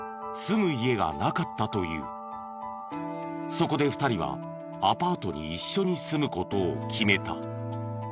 そこで２人はアパートに一緒に住む事を決めた。